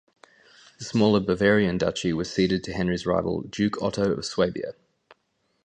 The smaller Bavarian duchy was ceded to Henry's rival Duke Otto of Swabia.